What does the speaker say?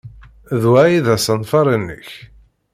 D wa ay d asenfar-nnek?